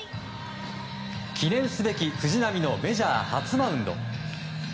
記念すべき藤浪のメジャー初マウンド。